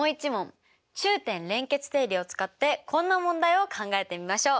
中点連結定理を使ってこんな問題を考えてみましょう。